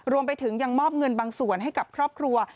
รวมไปถึงยังมอบเงินบางส่วนให้กับครอบครัว